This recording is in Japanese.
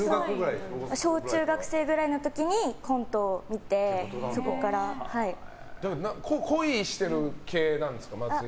小中学生くらいの時にコントを見て恋してる系なんですか？